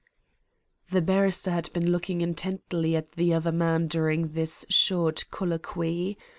The barrister had been looking intently at the other man during this short colloquy.